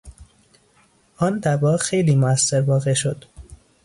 آن دوا خیلی مؤثر واقع شد